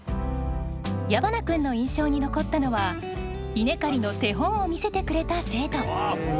矢花君の印象に残ったのは稲刈りの手本を見せてくれた生徒。